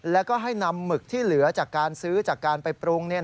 แล้วก็ให้นำหมึกที่เหลือจากการซื้อจากการไปปรุง